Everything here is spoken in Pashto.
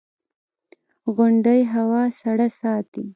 • غونډۍ هوا سړه ساتي.